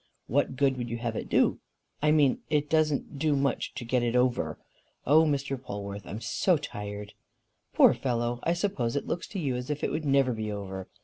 "What good would you have it do?" "I mean, it doesn't do much to get it over. Oh, Mr. Polwarth, I am so tired!" "Poor fellow! I suppose it looks to you as if it would never be over.